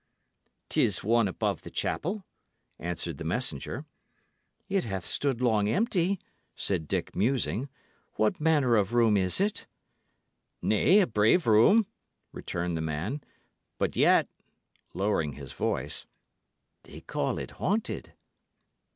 "'Tis one above the chapel," answered the messenger. "It hath stood long empty," said Dick, musing. "What manner of room is it?" "Nay, a brave room," returned the man. "But yet" lowering his voice "they call it haunted."